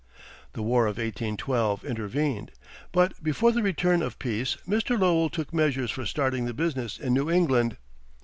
The war of 1812 intervened; but before the return of peace Mr. Lowell took measures for starting the business in New England.